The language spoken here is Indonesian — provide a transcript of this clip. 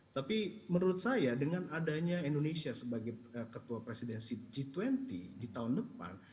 tapi menurut saya dengan adanya indonesia sebagai ketua presidensi g dua puluh di tahun depan